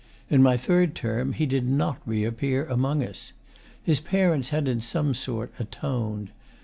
In my third term he did not reappear among us. His parents had in some sort atoned.